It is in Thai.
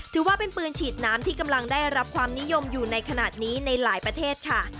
ถือว่าเป็นปืนฉีดน้ำที่กำลังได้รับความนิยมอยู่ในขณะนี้ในหลายประเทศค่ะ